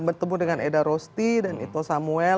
bertemu dengan eda rosti dan ito samuel